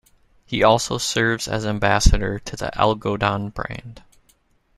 He also serves as Ambassador to the "Algodon" brand.